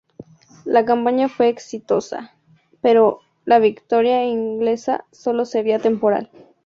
La campaña fue exitosa, pero la victoria inglesa solo sería temporal.